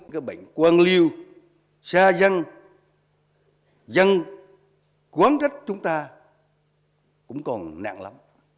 tất cả có thể tất cả hướng dẫn vào một lần nào